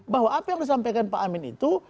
bahwa apa yang disampaikan pak amin itu